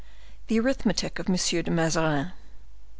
The Arithmetic of M. de Mazarin.